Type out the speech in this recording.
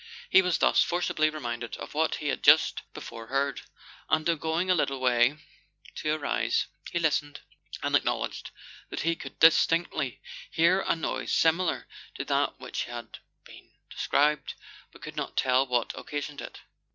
He was thus forcibly reminded of what he had just before heard, and on going a little way to a rise, he listened, and acknowledged that he could dis tinctly hear a noise similar to that which had been described, but could not tell what occasioned it.